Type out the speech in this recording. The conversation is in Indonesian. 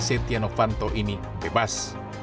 setia novanto ini bebas